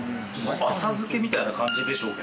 浅漬けみたいな感じでしょうけど。